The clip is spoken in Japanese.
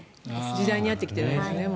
時代に合ってないんですね。